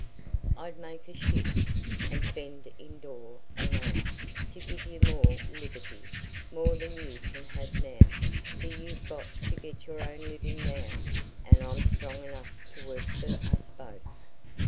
I'd make a shift, and fend indoor and out, to give you more liberty—more than you can have now, for you've got to get your own living now, and I'm strong enough to work for us both."